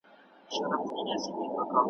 سرې لمبې په غېږ کي ګرځولای سي `